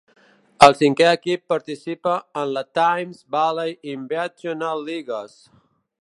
El cinquè equip participa en la Thames Valley Invitational Leagues.